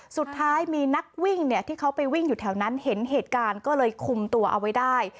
สุดท้ายมีนักวิ่งเนี่ยที่เขาไปวิ่งอยู่แถวนั้นเห็นเหตุการณ์ก็เลยคุมตัวเอาไว้ได้